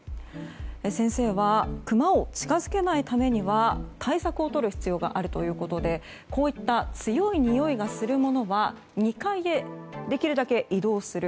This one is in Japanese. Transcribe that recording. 先生はクマを近づけないためには対策をとる必要があるということでこういった強いにおいがするものは２階へできるだけ移動する。